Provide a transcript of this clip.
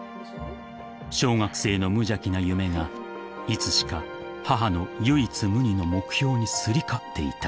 ［小学生の無邪気な夢がいつしか母の唯一無二の目標にすり替わっていた］